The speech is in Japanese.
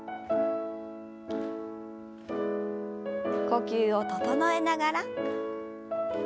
呼吸を整えながら。